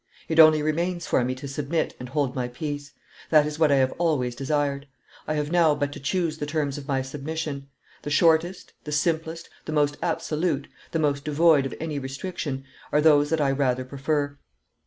It only remains for me to submit and hold my peace; that is what I have always desired. I have now but to choose the terms of my submission; the shortest, the simplest, the most absolute, the most devoid of any restriction, are those that I rather prefer.